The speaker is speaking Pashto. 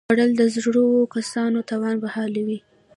خوړل د زړو کسانو توان بحالوي